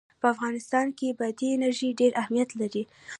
په افغانستان کې بادي انرژي ډېر اهمیت لري.